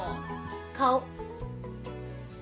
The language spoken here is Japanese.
顔。